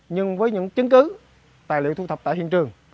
nhưng với những chứng cứ tài liệu thu thập tại hiện trường